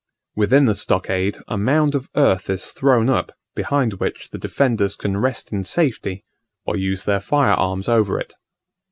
Within the stockade a mound of earth is thrown up, behind which the defenders can rest in safety, or use their fire arms over it.